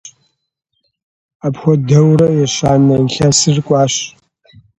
Апхуэдэурэ ещанэ илъэсыр кӀуащ.